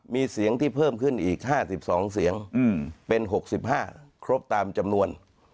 มีเสียงที่เพิ่มขึ้นอีก๕๒เสียงเป็น๖๕ครบตามจำนวน